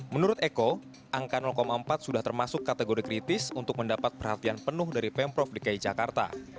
menurut eko angka empat sudah termasuk kategori kritis untuk mendapat perhatian penuh dari pemprov dki jakarta